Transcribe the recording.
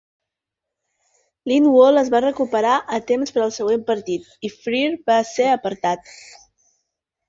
Lindwall es va recuperar a temps per al següent partit, i Freer va ser apartat.